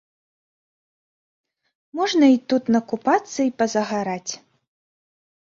Можна і тут накупацца і пазагараць.